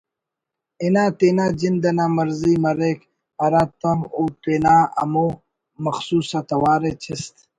انا تینا جند انا مرضی مریک ہراتم او تینا ہمو مخصوص آ توار ءِ چست